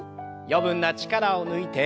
余分な力を抜いて。